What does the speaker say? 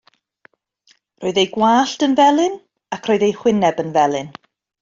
Roedd ei gwallt yn felyn, ac roedd ei hwyneb yn felyn.